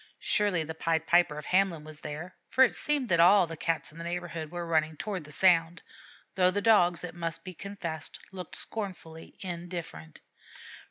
Surely the Pied Piper of Hamelin was there, for it seemed that all the Cats in the neighborhood were running toward the sound, though the Dogs, it must be confessed, looked scornfully indifferent.